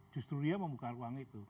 justru dia membuka ruang itu